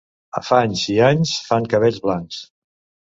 Afanys i anys fan cabells blancs.